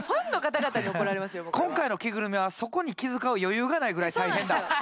今回の着ぐるみはそこに気遣う余裕がないぐらい大変だ！